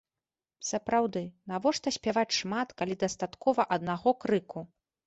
Сапраўды, навошта спяваць шмат, калі дастаткова аднаго крыку?